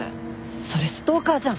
それストーカーじゃん。